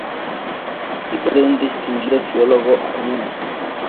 Hijo de un distinguido filólogo armenio.